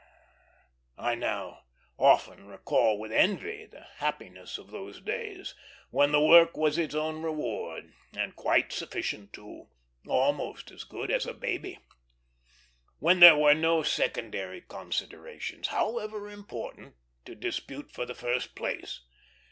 I now often recall with envy the happiness of those days, when the work was its own reward, and quite sufficient, too, almost as good as a baby; when there were no secondary considerations, however important, to dispute for the first place.